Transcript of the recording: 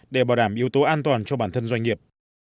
để bảo đảm yếu tố an toàn cho bản thân doanh nghiệp